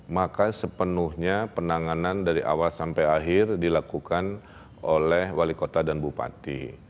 maka sepenuhnya penanganan dari awal sampai akhir dilakukan oleh wali kota dan bupati